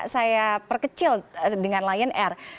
saya perkecil dengan lion air